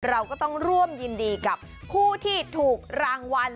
เราก็ต้องร่วมยินดีกับผู้ที่ถูกรางวัล